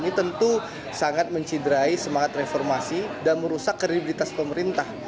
ini tentu sangat mencidrai semangat reformasi dan merusak kredibilitas pemerintah